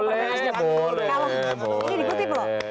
kalau ini dikutip loh